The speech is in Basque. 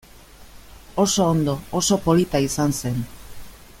Oso ondo, oso polita izan zen.